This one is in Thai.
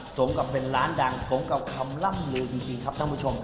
สมกับเป็นร้านดังสมกับคำล่ำลือจริงครับท่านผู้ชม